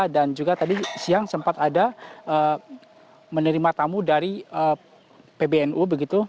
dan juga tadi siang sempat ada menerima tamu dari pbnu